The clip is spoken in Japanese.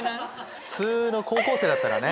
普通の高校生だったらね。